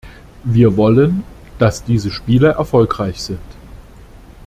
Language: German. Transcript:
Wir wollen, dass diese Spiele erfolgreich sind.